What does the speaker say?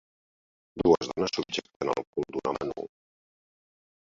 Dues dones subjecten el cul d'un home nu